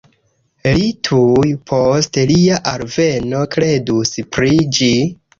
Li tuj post lia alveno kredus pri ĝi